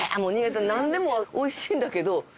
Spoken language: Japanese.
何でもおいしいんだけど